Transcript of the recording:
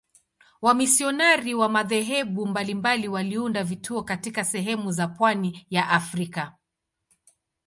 Wamisionari wa madhehebu mbalimbali waliunda vituo katika sehemu za pwani ya Afrika.